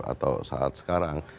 atau saat sekarang